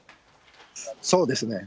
そうですね。